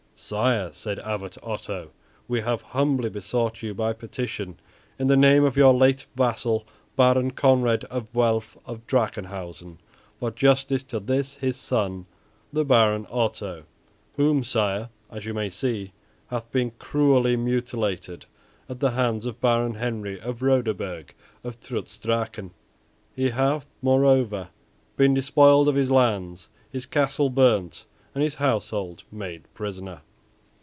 "Sire," said Abbot Otto, "we have humbly besought you by petition, in the name of your late vassal, Baron Conrad of Vuelph of Drachenhausen, for justice to this his son, the Baron Otto, whom, sire, as you may see, hath been cruelly mutilated at the hands of Baron Henry of Roderburg of Trutz Drachen. He hath moreover been despoiled of his lands, his castle burnt, and his household made prisoner."